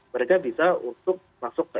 mereka bisa untuk masuk ke